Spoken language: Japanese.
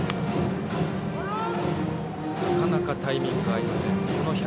なかなかタイミングが合いません。